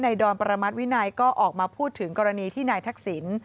ดอนประมาทวินัยก็ออกมาพูดถึงกรณีที่นายทักษิณ